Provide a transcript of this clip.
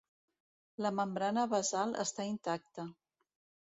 La membrana basal està intacta.